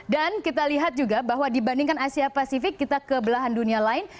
dan kita lihat juga bahwa dibandingkan asia pasifik kita ke belahan dunia lain